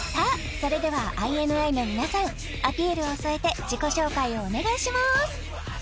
それではＩＮＩの皆さんアピールを添えて自己紹介をお願いします